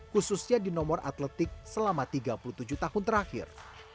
khususnya di nomor atletik selama tiga puluh tujuh tahun terakhir